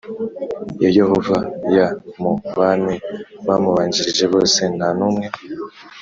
Ya yehova y mu bami bamubanjirije bose nta n umwe